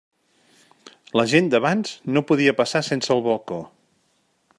La gent d'abans no podia passar sense el balcó.